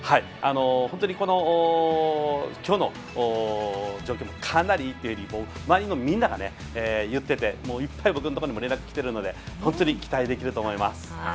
本当に、今日の状況もいいと周りのみんなが言っていていっぱい僕のところにも連絡がきているので本当に期待できると思います。